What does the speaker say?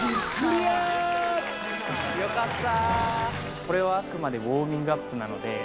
よかった